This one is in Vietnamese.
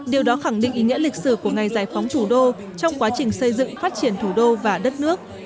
điều đó khẳng định ý nghĩa lịch sử của ngày giải phóng thủ đô trong quá trình xây dựng phát triển thủ đô và đất nước